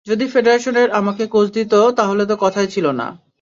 যদি ফেডারেশন আমাকে কোচ দিত, তাহলে তো কোনো কথাই ছিল না।